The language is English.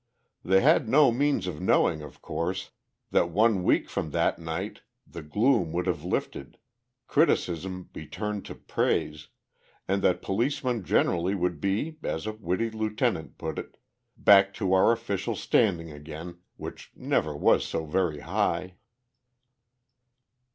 They had no means of knowing, of course, that one week from that night the gloom would have lifted, criticism be turned to praise, and that policemen generally would be, as a witty lieutenant put it, "back to our official standing again—which never was so very high."